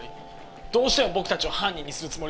どうしても僕たちを犯人にするつもりですよ。